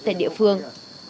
tại địa phương